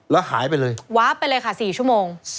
แล้วหายไปเลยวาบไปเลยค่ะ๔ชั่วโมง